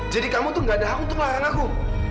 jadi kamu tuh nggak ada hak untuk melarang aku